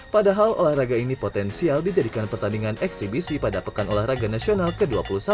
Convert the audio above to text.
padahal olahraga ini potensial dijadikan pertandingan eksibisi pada pekan olahraga nasional ke dua puluh satu